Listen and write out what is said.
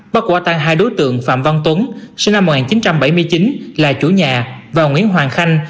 bắt quả tăng hai đối tượng phạm văn tuấn sinh năm một nghìn chín trăm bảy mươi chín là chủ nhà và nguyễn hoàng khanh